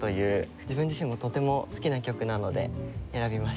自分自身もとても好きな曲なので選びました。